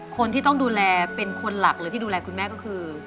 คนที่ต้องดูแลเป็นคนหลักเลยที่ดูแลคุณแม่ก็คือ